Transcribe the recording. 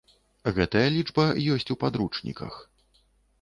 Гэтая лічба ёсць у падручніках.